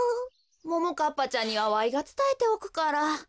ももかっぱちゃんにはわいがつたえておくから。